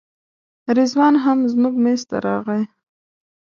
رضوان هم زموږ میز ته راغی.